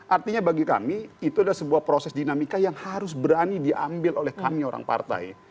artinya bagi kami itu adalah sebuah proses dinamika yang harus berani diambil oleh kami orang partai